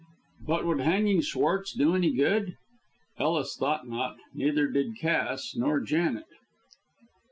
But would hanging Schwartz do any good? Ellis thought not, neither did Cass, nor Janet.